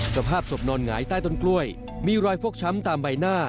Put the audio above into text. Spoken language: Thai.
สภาพศพนอนหงายใต้ต้นกล้วยมีรอยฟกช้ำตามใบหน้า